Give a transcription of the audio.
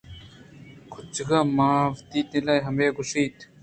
کُچِکّ ءَ ماں وتی دل ءَ ہمے گوٛشت